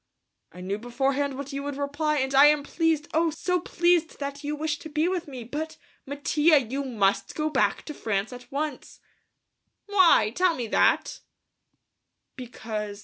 "I knew beforehand what you would reply and I am pleased, oh, so pleased that you wish to be with me, but, Mattia, you must go back to France at once!" "Why? Tell me that." "Because....